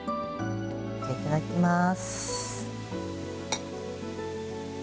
いただきます。